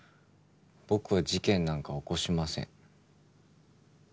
僕は事件なんか起こしません。